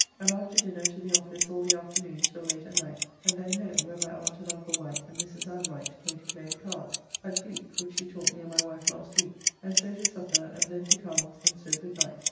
And after dinner to the office all the afternoon till late at night, and then home, where my aunt and uncle Wight and Mrs. Anne Wight came to play at cards (at gleek which she taught me and my wife last week) and so to supper, and then to cards and so good night.